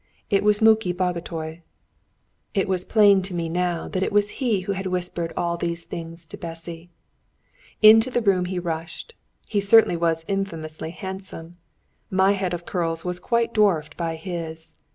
It was Muki Bagotay. It was plain to me now that it was he who had whispered all these things to Bessy. Into the room he rushed. He certainly was infamously handsome. My head of curls was quite dwarfed by his.